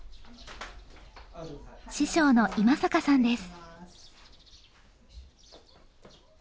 師匠の今坂さんです。